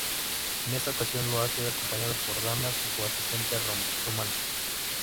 En esta ocasión, lo hace acompañado por Dana, su asistenta rumana.